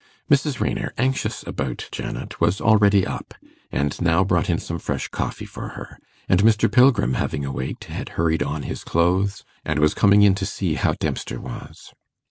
Mrs. Raynor, anxious about Janet, was already up, and now brought in some fresh coffee for her; and Mr. Pilgrim having awaked, had hurried on his clothes, and was coming in to see how Dempster was.